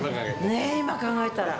ねぇ、今、考えたら。